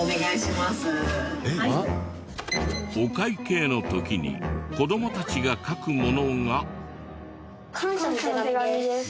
お会計の時に子どもたちが書くものが。